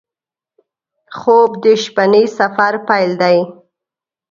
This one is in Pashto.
خوب د شپهني سفر پیل دی